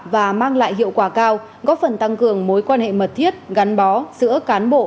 và mang lại hiệu quả cao góp phần tăng cường mối quan hệ mật thiết gắn bó giữa cán bộ